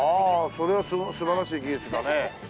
それは素晴らしい技術だね。